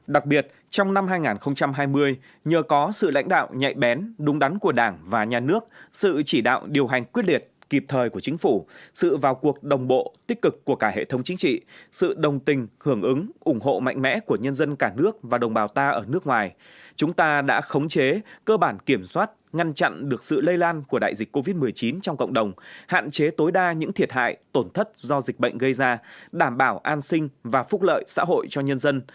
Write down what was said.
đặc biệt trong năm hai nghìn hai mươi nhờ có sự lãnh đạo nhạy bén đúng đắn của đảng và nhà nước sự chỉ đạo điều hành quyết liệt kịp thời của chính phủ sự vào cuộc đồng bộ tích cực của cả hệ thống chính trị sự đồng tình hưởng ứng ủng hộ mạnh mẽ của nhân dân cả nước và đồng bào ta ở nước ngoài chúng ta đã khống chế cơ bản kiểm soát ngăn chặn được sự lây lan của đại dịch covid một mươi chín trong cộng đồng hạn chế tối đa những thiệt hại tổn thất do dịch bệnh gây ra đảm bảo an sinh và phúc lợi xã hội cho nhân dân